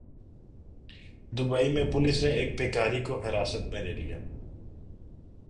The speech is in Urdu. دبئی میں پولیس نے ایک بھکاری کو حراست میں لے لیا